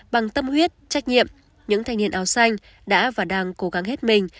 bằng tâm huyết trách nhiệm những thanh niên áo xanh đã và đang cố gắng hết mình